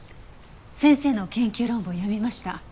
先生の研究論文を読みました。